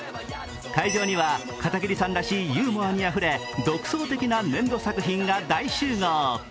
会場には片桐さんらしいユーモアにあふれ、独創的な粘土作品が大集合。